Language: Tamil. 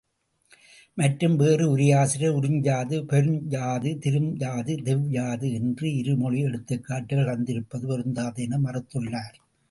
மற்றும், வேறு உரையாசிரியர் உரிஞ்யாது பொருந்யாது திரும்யாது தெவ்யாது என்று இருமொழி எடுத்துக்காட்டுகள் தந்திருப்பது பொருந்தாது என மறுத்துள்ளார்.